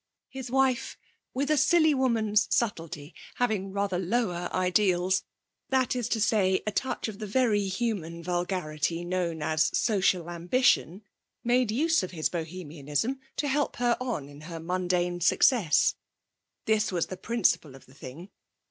His wife, with a silly woman's subtlety, having rather lower ideals that is to say, a touch of the very human vulgarity known as social ambition made use of his Bohemianism to help her on in her mundane success. This was the principle of the thing.